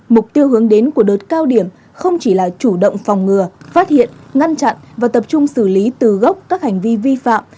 mục tiêu hướng đến của đợt cao điểm không chỉ là chủ động phòng ngừa phát hiện ngăn chặn và tập trung xử lý từ gốc các hành vi vi phạm